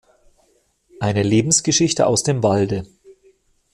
Eine Lebensgeschichte aus dem Walde".